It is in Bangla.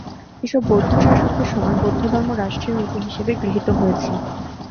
এসব বৌদ্ধ শাসকদের সময় বৌদ্ধধর্ম রাষ্ট্রীয় নীতি হিসেবে গৃহীত হয়েছে।